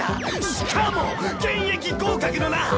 しかも現役合格のな！